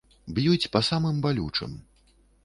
Б'юць па самым балючым.